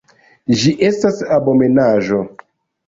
Ĝi estas abomenaĵo!